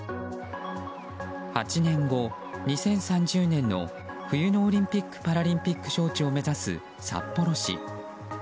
８年後、２０３０年の冬のオリンピック・パラリンピック招致を目指す札幌市。